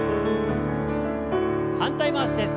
反対回しです。